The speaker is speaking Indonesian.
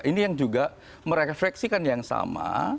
ini yang juga merefleksikan yang sama